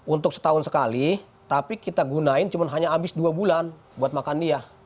untuk setahun sekali tapi kita gunain cuma hanya habis dua bulan buat makan dia